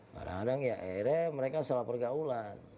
kadang kadang ya akhirnya mereka salah pergaulan